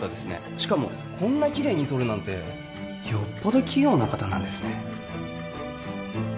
しかもこんなキレイに撮るなんてよっぽど器用な方なんですね